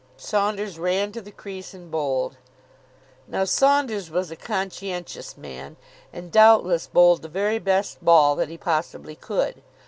Saunders ran to the crease, and bowled. Now, Saunders was a conscientious man, and, doubtless, bowled the very best ball that he possibly could.